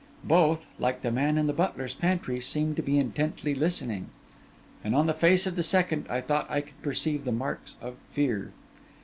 Both, like the man in the butler's pantry, seemed to be intently listening; and on the face of the second I thought I could perceive the marks of fear.